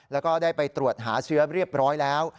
แล้วก็ได้ไปตรวจหาเชื้อเรียบร้อยแล้ว